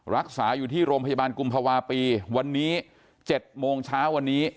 รักษาอยู่ที่โรงพยาบาลกุมภาวะปีวันนี้๗โมงเช้าวันนี้